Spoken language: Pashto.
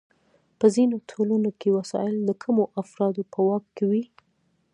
په ځینو ټولنو کې وسایل د کمو افرادو په واک کې وي.